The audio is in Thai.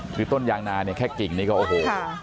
คือต้นยางนาเนี่ยแค่กิ่งนี่ก็โอ้โห